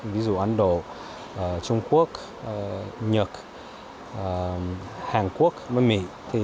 ví dụ ấn độ trung quốc nhật hàn quốc mỹ